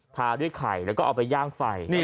ทาด้วยไข่แล้วก็เอาไปย่างไฟ